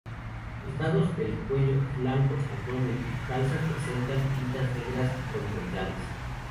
Los lados del cuello, flancos, abdomen y calzas presentan pintas negras romboidales.